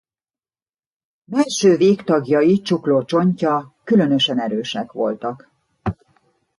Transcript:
Mellső végtagjai csukló csontja különösen erősek voltak.